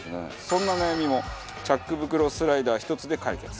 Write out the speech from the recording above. そんな悩みもチャック袋スライダー１つで解決。